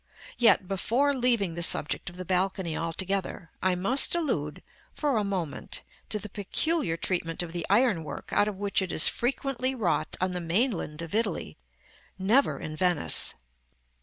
Yet before leaving the subject of the balcony altogether, I must allude, for a moment, to the peculiar treatment of the iron work out of which it is frequently wrought on the mainland of Italy never in Venice.